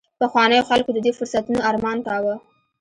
پخوانیو خلکو د دې فرصتونو ارمان کاوه